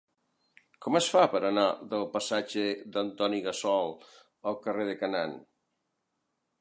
Com es fa per anar del passatge d'Antoni Gassol al carrer de Canaan?